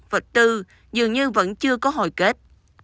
vật tư dường như vẫn chưa có hồi kết